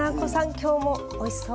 今日もおいしそう。